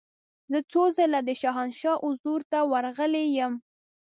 زه څو ځله د شاهنشاه حضور ته ورغلې یم.